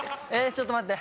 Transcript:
ちょっと待って。